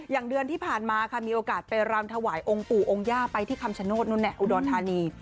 เดือนที่ผ่านมาค่ะมีโอกาสไปรำถวายองค์ปู่องค์ย่าไปที่คำชโนธนู่นอุดรธานี